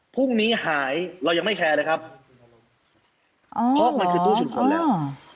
พรุ่งนี้หายเรายังไม่แคร์เลยครับอ๋อเพราะมันคือตู้ฉุดผลแล้ว